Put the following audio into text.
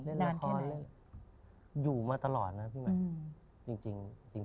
เล่นละครเล่นอยู่มาตลอดนะพี่ใหม่จริง